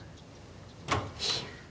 ・いや。